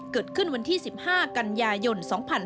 เกิดขึ้นวันที่๑๕กันยายน๒๕๕๙